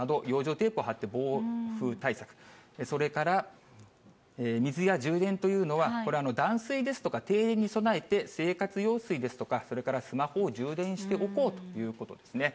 テープを貼って暴風対策、それから水や充電というのは、これ、断水ですとか停電に備えて、生活用水ですとか、それからスマホを充電しておこうということですね。